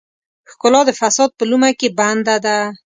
ښکلا د فساد په لومه کې بنده ده.